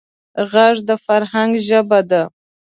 غږ د فرهنګ ژبه ده